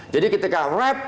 jadi ketika rep